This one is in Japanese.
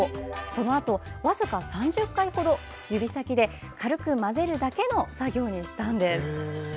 そのあと、わずか３０回ほど指先で軽く混ぜるだけの作業にしたのです。